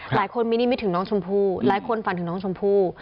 หลายคนมีนิมิตถึงน้องชมพู่หลายคนฝันถึงน้องชมพู่